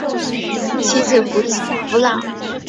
其子苻朗。